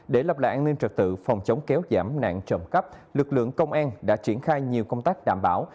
để lập lại an ninh trật tự phòng chống kéo giảm nạn trộm cắp lực lượng công an đã triển khai nhiều công tác đảm bảo